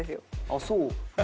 あっそう？